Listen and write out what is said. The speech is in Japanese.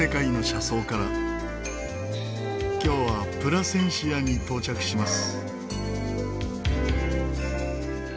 今日はプラセンシアに到着します。